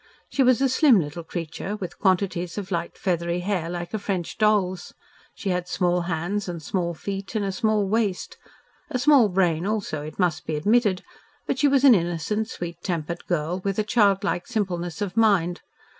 She was a slim little creature, with quantities of light feathery hair like a French doll's. She had small hands and small feet and a small waist a small brain also, it must be admitted, but she was an innocent, sweet tempered girl with a childlike simpleness of mind.